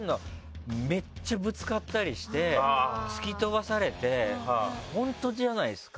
めっちゃぶつかったりして突き飛ばされて本当じゃないですか。